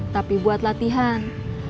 tapi buat latihan